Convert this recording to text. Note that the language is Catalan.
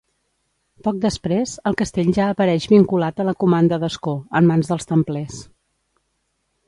Poc després, el Castell ja apareix vinculat a la comanda d'Ascó, en mans dels templers.